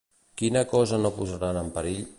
Quina cosa no posaran en perill?